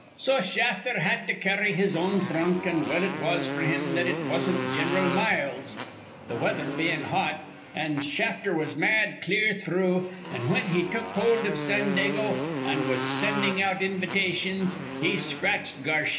"So Shafter had to carry his own thrunk; an' well it was f'r him that it wasn't Gin'ral Miles', the weather bein' hot. An' Shafter was mad clear through; an', whin he took hold iv Sandago, an' was sendin' out invitations, he scratched Garshy.